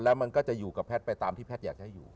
แล้วมันก็จะอยู่กับแพทย์ไปตามที่แพทย์อยากจะให้อยู่